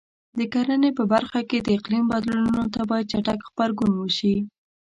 د کرنې په برخه کې د اقلیم بدلونونو ته باید چټک غبرګون وشي.